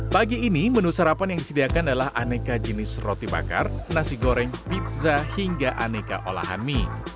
pagi ini menu sarapan yang disediakan adalah aneka jenis roti bakar nasi goreng pizza hingga aneka olahan mie